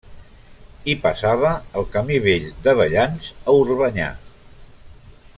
Hi passava el Camí Vell de Vellans a Orbanyà.